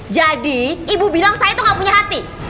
jadi ibu bilang saya tuh gak punya hati